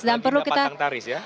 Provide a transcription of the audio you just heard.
baginda batang taris ya